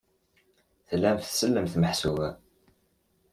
Tellamt tsellemt, meḥsub?